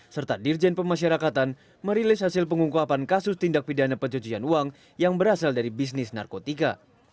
serta dirjen pemasyarakatan merilis hasil pengungkapan kasus tindak pidana pencucian uang yang berasal dari bisnis narkotika